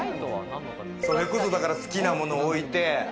それこそだから好きなものを置いて。